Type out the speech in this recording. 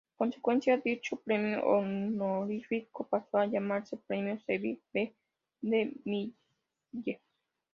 Consecuentemente, dicho premio honorífico pasó a llamarse Premio Cecil B. DeMille.